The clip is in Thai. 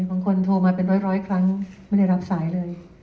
โทรมาเป็นร้อยครั้งไม่ได้รับสายเลย